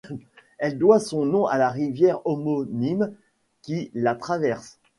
Elle doit son nom à la rivière homonyme qui la traverse.